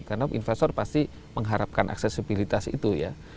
karena investor pasti mengharapkan aksesibilitas itu ya